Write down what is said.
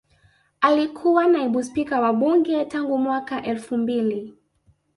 Alikuwa Naibu Spika wa Bunge tangu mwaka elfu mbili